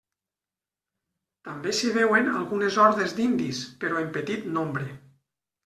També s'hi veuen algunes hordes d'indis, però en petit nombre.